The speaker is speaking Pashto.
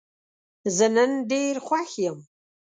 زه نن ډېر خوښ یم.